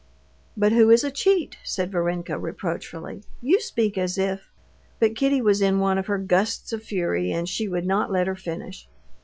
"But who is a cheat?" said Varenka reproachfully. "You speak as if...." But Kitty was in one of her gusts of fury, and she would not let her finish.